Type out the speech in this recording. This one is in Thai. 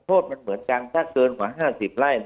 โทษมันเหมือนกันถ้าเกินกว่า๕๐ไร่